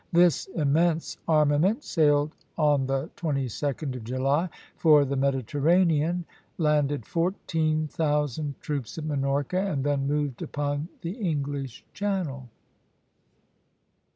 This immense armament sailed on the 22d of July for the Mediterranean, landed fourteen thousand troops at Minorca, and then moved upon the English Channel.